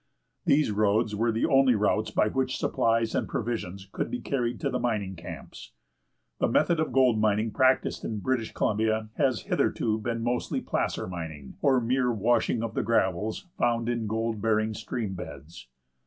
These roads were the only routes by which supplies and provisions could be carried to the mining camps. The method of gold mining practised in British Columbia has hitherto been mostly placer mining, or mere washing of the gravels found in gold bearing stream beds.